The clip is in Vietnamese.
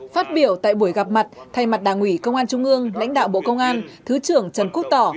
phát biểu tại buổi gặp mặt thay mặt đảng ủy công an trung ương lãnh đạo bộ công an thứ trưởng trần quốc tỏ